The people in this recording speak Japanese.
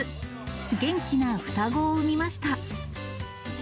元気な双子を産みました。